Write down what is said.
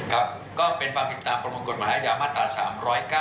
ครับก็เป็นฟังผิดตามประมวลกฎหมายธรรมศาสตร์๓๐๙